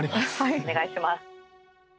お願いします。